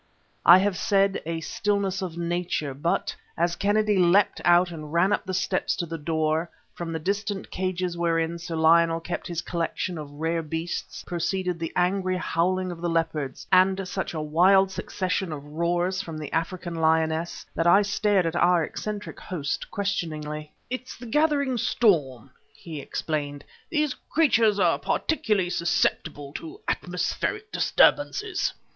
I have said, a stillness of nature; but, as Kennedy leapt out and ran up the steps to the door, from the distant cages wherein Sire Lionel kept his collection of rare beasts proceeded the angry howling of the leopards and such a wild succession of roars from the African lioness that I stared at our eccentric host questioningly. "It's the gathering storm," he explained. "These creatures are peculiarly susceptible to atmospheric disturbances."